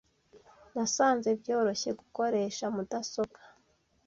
Nasanze byoroshye gukoresha mudasobwa.